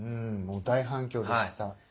もう大反響でした。